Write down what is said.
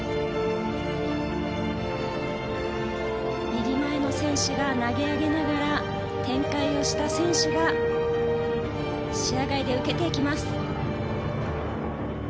右前の選手が投げ上げながら転回をした選手が視野外で受けていきます。